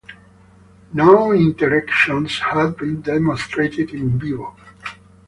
No interactions have been demonstrated "in vivo".